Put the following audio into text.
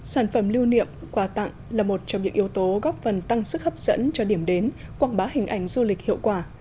sản phẩm lưu niệm quà tặng là một trong những yếu tố góp phần tăng sức hấp dẫn cho điểm đến quảng bá hình ảnh du lịch hiệu quả